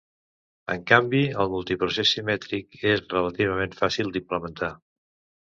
En canvi el multiprocés simètric és relativament fàcil d'implementar.